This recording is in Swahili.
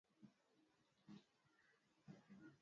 inashauriwa Katakata vizuri viazi lishe na kuvimenya